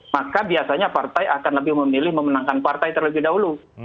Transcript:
maka biasanya partai akan lebih memilih memenangkan partai terlebih dahulu